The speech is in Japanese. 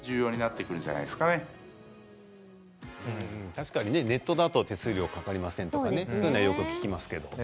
確かにネットだと手数料かかりませんとかいうのはよく聞きますけど。